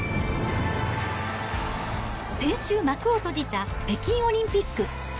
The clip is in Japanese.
先週、幕を閉じた北京オリンピック。